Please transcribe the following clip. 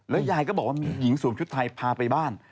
ยายก็บอกว่ามีหญิงสวมชุดไทยพาไปบ้าน